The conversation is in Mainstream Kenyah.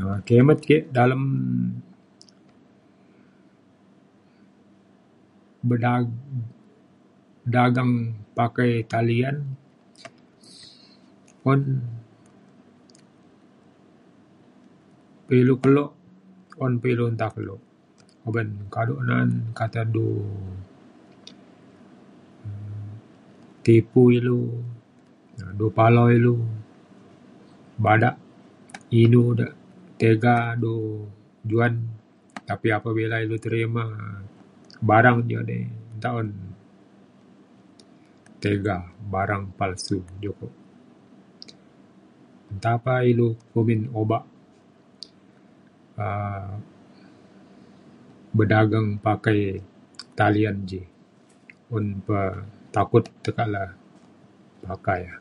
um kimet ke dalem berda- dagang pakai talian un pe ilu kelo un pe ilu nta kelo uban na’an kata du um tipu ilu du palau ilu bada inu de tega du juan tapi apabila lu terima barang iu dei nta un tega barang palsu jo kok. nta pa ilu kumbin obak um bedagang pakai talian ji un pa takut tekak le pakai e